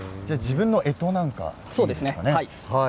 自分のえとなんかですね。